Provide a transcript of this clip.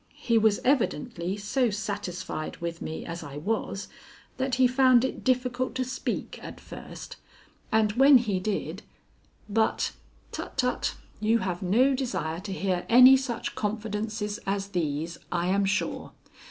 He was evidently so satisfied with me as I was, that he found it difficult to speak at first, and when he did But tut! tut! you have no desire to hear any such confidences as these, I am sure.